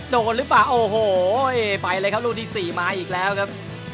โดนหรือเปล่าโอ้โหไปเลยครับลูกที่สี่มาอีกแล้วครับ